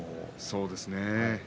そうですね。